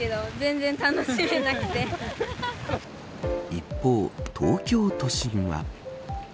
一方、東京都心は。